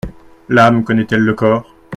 L’âme connaît-elle le corps ?